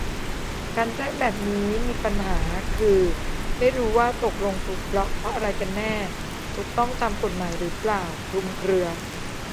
การแจ้งแบบนี้มีปัญหา คือ ไม่รู้ว่าตกลงถูกบล็อคเพราะอะไรกันแน่ ถูกต้องตามกฎหมายหรือเปล่า คลุมเครือ